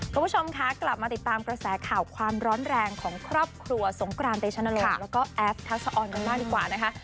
คุณผู้ชมคะกลับมาติดตามกระแสข่าวความร้อนแรงของครอบครัวสงกรานเตชนรงค์แล้วก็แอฟทักษะออนกันบ้างดีกว่านะคะ